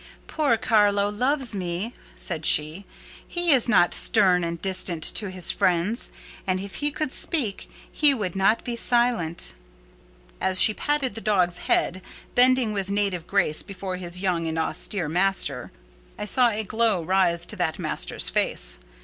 "Poor Carlo loves me," said she. "He is not stern and distant to his friends; and if he could speak, he would not be silent." As she patted the dog's head, bending with native grace before his young and austere master, I saw a glow rise to that master's face.